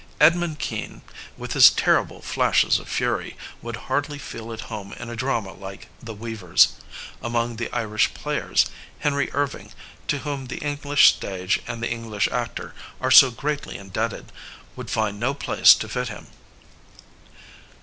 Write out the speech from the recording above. Edmund Kean^ with his terrible flashes of fury, would hardly feel at home in a drama like The Weavers; among the Irish Players, Henry Irving, to whom the Eng lish stage and the English actor are so greatly in debted, would find no place to fit him.